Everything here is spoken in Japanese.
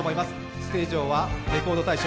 ステージ上はレコード大賞